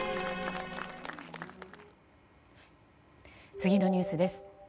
次のニュースです。